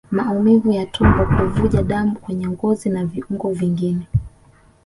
Maumivu ya tumbo Kuvuja damu kwenye ngozi na viungo vingine